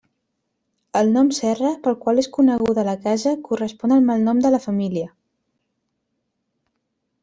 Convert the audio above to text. El nom Serra, pel qual és coneguda la casa, correspon al malnom de la família.